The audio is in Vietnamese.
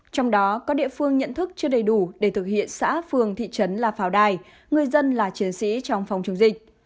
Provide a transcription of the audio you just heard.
trong đó có địa phương nhận thức chưa đầy đủ để thực hiện xã phường thị trấn là pháo đài người dân là chiến sĩ trong phòng chống dịch